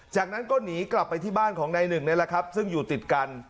จากนั้นก็หนีกลับไปที่บ้านของนายหนึ่งนี่แหละครับซึ่งอยู่ติดกัน